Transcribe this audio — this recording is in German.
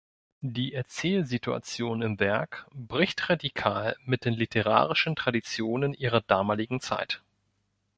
Die Erzählsituation im Werk bricht radikal mit den literarischen Traditionen ihrer damaligen Zeit.